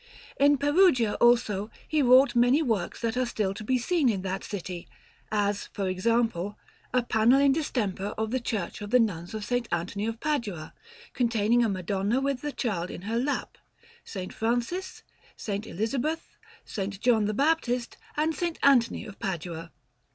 In Perugia, also, he wrought many works that are still to be seen in that city; as, for example, a panel in distemper in the Church of the Nuns of S. Anthony of Padua, containing a Madonna with the Child in her lap, S. Francis, S. Elizabeth, S. John the Baptist, and S. Anthony of Padua.